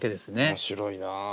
面白いな。